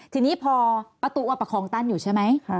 ทีนี้พอประตูว่าประคองตั้งอยู่ใช่ไหม